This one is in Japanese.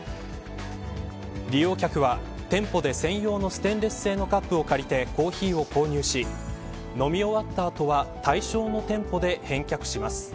利用客は店舗で専用のステンレス製のカップを借りてコーヒーを購入し飲み終わった後は対象の店舗で返却します。